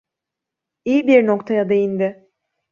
İyi bir noktaya değindi.